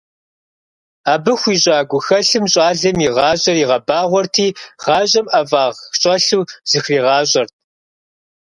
Абы хуищӏа гухэлъым щӏалэм и гуащӏэр игъэбагъуэрти, гъащӏэм ӏэфӏагъ щӏэлъу зыхригъащӏэрт.